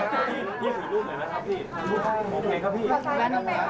หมุนเล็กละครับ